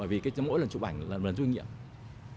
vì mỗi lần chụp ảnh là lần doanh nghiệp